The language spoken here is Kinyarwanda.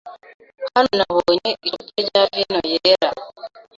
Hano, nabonye icupa rya vino yera.